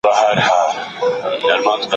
تېر کال په هېواد کي ډېري نوي پروژې پلي سوې.